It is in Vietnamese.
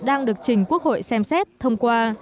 đang được trình quốc hội xem xét thông qua